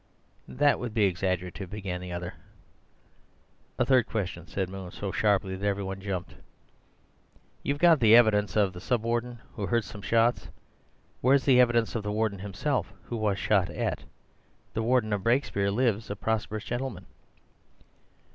"That would be exaggerative," began the other. "A third question," said Moon, so sharply that every one jumped. "You've got the evidence of the Sub Warden who heard some shots; where's the evidence of the Warden himself who was shot at? The Warden of Brakespeare lives, a prosperous gentleman."